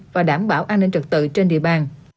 và đảm bảo an ninh trật tự trên địa bàn